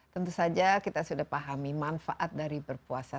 tentu saja kita sudah pahami manfaat dari berpuasa